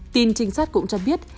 tin trinh sát cũng cho biết